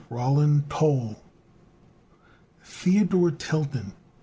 Roland, toll! THEODORE TILTON.